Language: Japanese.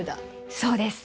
そうです。